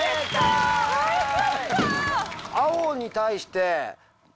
青に対して。